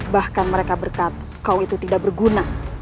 bahkan mereka berkata kau itu tidak berguna